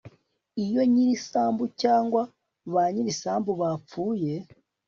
iyo nyir'isambu cyangwa ba nyir'isambu bapfuye